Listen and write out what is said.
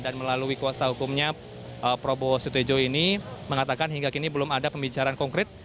dan melalui kuasa hukumnya probowos tujuh ini mengatakan hingga kini belum ada pembicaraan konkret